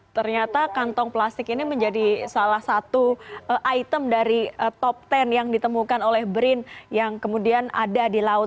ternyata kantong plastik ini menjadi salah satu item dari top ten yang ditemukan oleh brin yang kemudian ada di laut